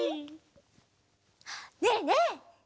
ねえねえ。